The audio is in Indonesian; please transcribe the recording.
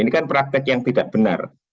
ini kan praktek yang tidak benar